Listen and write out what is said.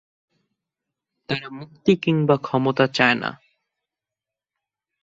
তারা মুক্তি কিংবা ক্ষমতা চায় না!